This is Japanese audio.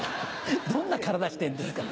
どんな体してんですか。